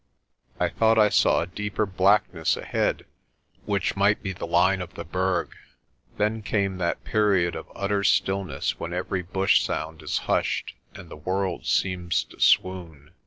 I thought I saw a deeper blackness ahead which might be the line of the Berg. Then came that period of utter stillness when every bush sound is hushed and the world seems to swoon.